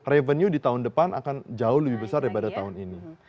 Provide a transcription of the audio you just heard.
revenue di tahun depan akan jauh lebih besar daripada tahun ini